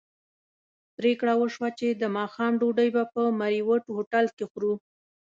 پرېکړه وشوه چې د ماښام ډوډۍ به په مریوټ هوټل کې خورو.